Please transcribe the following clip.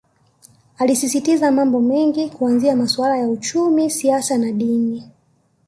Alisisitiza mambo mengi kuanzia masuala ya uchumi siasa na dini